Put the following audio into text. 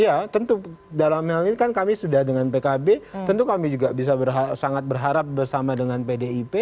iya tentu dalam hal ini kan kami sudah dengan pkb tentu kami juga bisa sangat berharap bersama dengan pdip